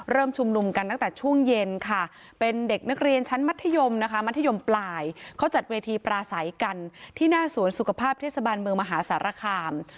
ชุมนุมกันตั้งแต่ช่วงเย็นค่ะเป็นเด็กนักเรียนชั้นมัธยมนะคะมัธยมปลายเขาจัดเวทีปราศัยกันที่หน้าสวนสุขภาพเทศบาลเมืองมหาสารคาม